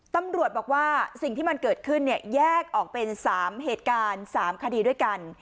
ตำรวจบอกว่าสิ่งที่มันเกิดขึ้นเนี่ยแยกออกเป็น๓เหตุการณ์๓คดีด้วยกัน